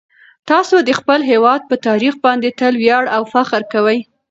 تاسو د خپل هیواد په تاریخ باندې تل ویاړ او فخر کوئ.